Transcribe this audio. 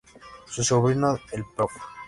Su sobrino el Prof.